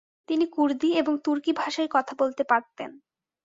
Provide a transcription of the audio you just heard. তিনি কুর্দি এবং তুর্কি ভাষায় কথা বলতে পারতেন।